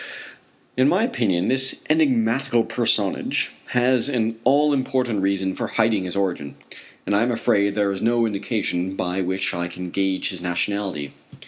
In my opinion this enigmatical personage has an all important reason for hiding his origin, and I am afraid there is no indication by which I can gauge his nationality.